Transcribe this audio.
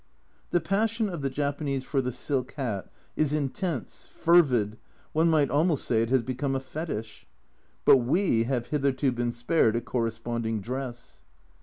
The passion of the Japanese for the silk hat is intense, fervid, one might almost say it has become a fetish. But we have hitherto been spared a corre sponding dress